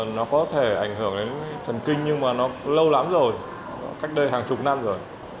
nó có thể ảnh hưởng đến thần kinh nhưng mà nó lâu lắm rồi cách đây hàng chục năm rồi